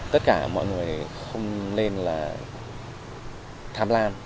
tất cả mọi người không nên là tham lan